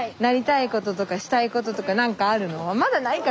まだないか。